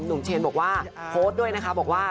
หนุ่มเชนบอกว่าโพสต์ด้วยนะคะบอกว่า